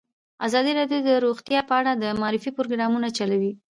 ازادي راډیو د روغتیا په اړه د معارفې پروګرامونه چلولي.